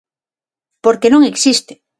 Porque non existe.